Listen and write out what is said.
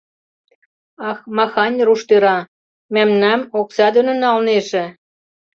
Ах, махань руш тӧра, мӓмнам окса доно нӓлнежы.